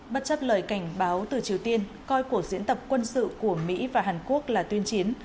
bất chấp lời cảnh báo từ triều tiên coi cuộc diễn tập quân sự của mỹ và hàn quốc là tuyên chiến